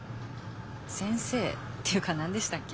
先生？っていうか何でしたっけ？